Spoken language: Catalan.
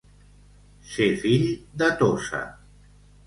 Ser fill de Tossa.